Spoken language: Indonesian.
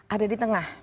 ada di tengah